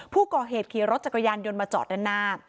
ผู้ก่อเหตุขี่รถจักรยานยนต์มาจอดด้านหน้า